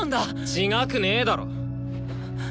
違くねえだろ！